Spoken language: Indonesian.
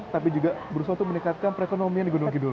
tapi juga berusaha untuk meningkatkan perekonomian di gunung kidul